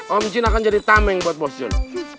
om jin akan jadi tameng buat bos jun